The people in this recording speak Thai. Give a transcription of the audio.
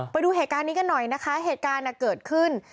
ไปดูเหตุการณ์นี้กันหน่อยนะคะเหตุการณ์เกิดขึ้น